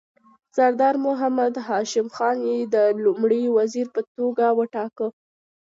سردار محمد هاشم خان یې د لومړي وزیر په توګه وټاکه.